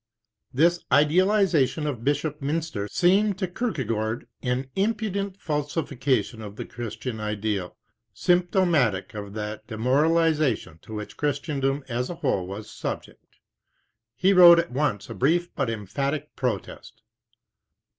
This idealization of Bishop Mynster seemed to Kierkegaard an impudent falsification of the Christian ideal, symptomatic of that demoralization to which Christendom as a whole was subject. He wrote at once a brief but emphatic protest.